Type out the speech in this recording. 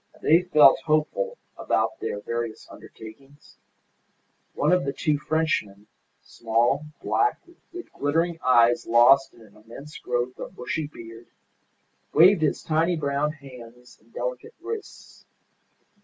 They felt hopeful about their various undertakings. One of the two Frenchmen, small, black, with glittering eyes lost in an immense growth of bushy beard, waved his tiny brown hands and delicate wrists.